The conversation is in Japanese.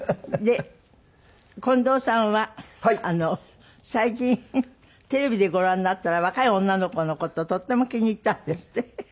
で近藤さんは最近テレビでご覧になったら若い女の子の事とっても気に入ったんですって？